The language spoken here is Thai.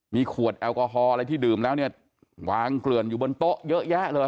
มีขวดแอลกอฮอลอะไรที่ดื่มแล้วเนี่ยวางเกลื่อนอยู่บนโต๊ะเยอะแยะเลย